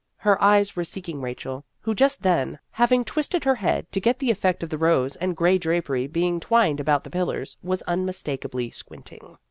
Her eyes were seeking Rachel, who just then, having twisted her head to get the effect of the rose and gray drapery being twined about the pillars, was unmistaka bly squinting.